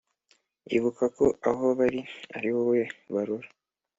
Ibuka ko aho bari ari wowe barora ;